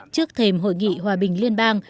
trước thềm hội nghị hòa bình liên bang